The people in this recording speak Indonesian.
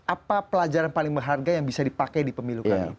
apa pelajaran paling berharga yang bisa dipakai di pemilu kali ini